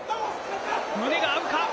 胸が合うか。